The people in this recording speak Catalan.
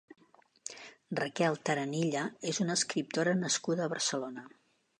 Raquel Taranilla és una escriptora nascuda a Barcelona.